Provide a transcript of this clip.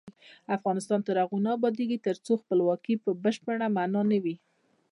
افغانستان تر هغو نه ابادیږي، ترڅو خپلواکي په بشپړه مانا وي.